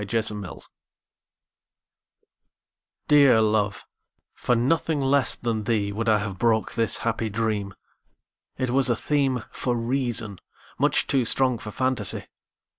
The Dream DEAR love, for nothing less than theeWould I have broke this happy dream; It was a themeFor reason, much too strong for fantasy.